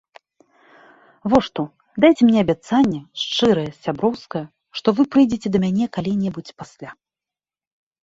Во што, дайце мне абяцанне, шчырае, сяброўскае, што вы прыйдзеце да мяне калі-небудзь пасля.